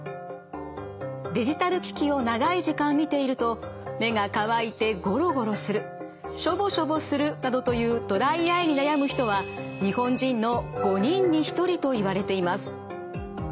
デジタル機器を長い時間見ていると目が乾いてゴロゴロするしょぼしょぼするなどというドライアイに悩む人は日本人の５人に１人といわれています。